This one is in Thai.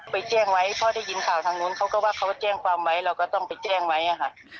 ไปแจ้งไว้เพราะได้ยินข่าวทางนู้นเขาก็ว่าเขาแจ้งความไว้เราก็ต้องไปแจ้งไว้ค่ะ